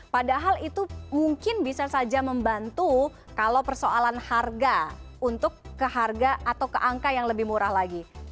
padahal itu mungkin bisa saja membantu kalau persoalan harga untuk ke harga atau ke angka yang lebih murah lagi